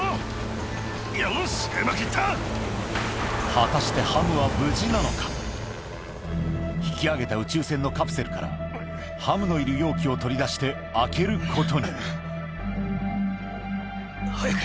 果たして引き上げた宇宙船のカプセルからハムのいる容器を取り出して開けることに早く。